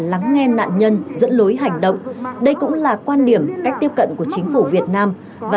lắng nghe nạn nhân dẫn lối hành động đây cũng là quan điểm cách tiếp cận của chính phủ việt nam và